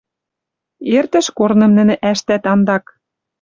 Эртӹш корным нӹнӹ ӓштӓт андак.